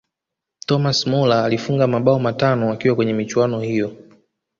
thomas muller alifunga mabao matano akiwa kwenye michuano hiyo